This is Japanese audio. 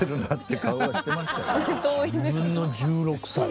自分の１６歳。